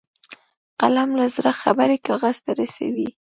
قلم له زړه خبرې کاغذ ته رسوي